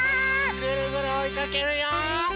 ぐるぐるおいかけるよ！